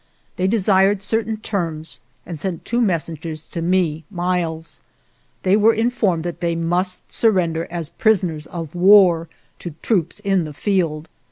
They de sired certain terms and sent two messengers to me (Miles). They were informed that 153 GERONIMO they must surrender as prisoners of war to troops in the field.